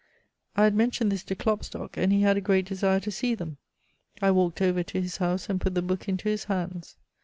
I had mentioned this to Klopstock, and he had a great desire to see them. I walked over to his house and put the book into his hands.